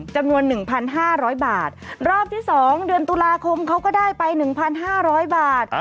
จำนวน๑๕๐๐บาทรอบที่๒เดือนตุลาคมเขาก็ได้ไป๑๕๐๐บาท